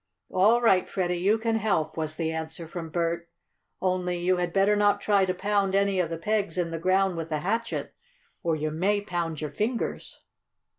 "All right, Freddie, you can help," was the answer from Bert. "Only, you had better not try to pound any of the pegs in the ground with the hatchet, or you may pound your fingers."